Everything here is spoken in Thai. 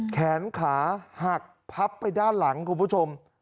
แขนขาหักพับไปด้านหลังคุณผู้ชม